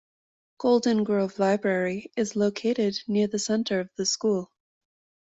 Golden Grove Library is located near the centre of the school.